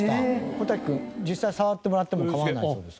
小瀧君実際に触ってもらっても構わないそうです。